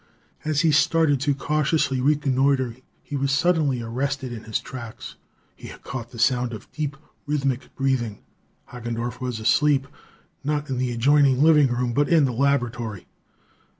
As he started to cautiously reconnoiter, he was suddenly arrested in his tracks. He had caught the sound of deep, rhythmic breathing. Hagendorff was asleep, not in the adjoining living room but in the laboratory!